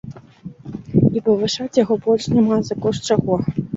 І павышаць яго больш няма за кошт чаго.